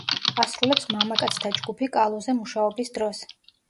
ასრულებს მამაკაცთა ჯგუფი კალოზე მუშაობის დროს.